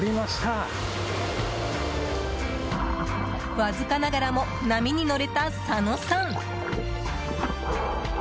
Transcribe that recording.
わずかながらも波に乗れた佐野さん。